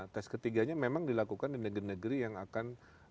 tes ketiganya memang dilakukan di negeri negeri yang akan